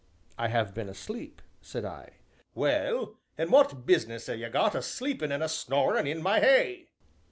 "I have been asleep," said I. "Well, an' what business 'ave ye got a sleepin' an' a snorin' in my hay?"